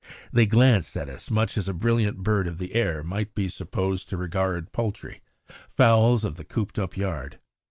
They glanced at us much as a brilliant bird of the air might be supposed to regard poultry, fowls of the cooped up yard.